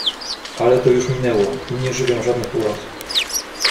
"Ale to już minęło i nie żywię żadnych uraz."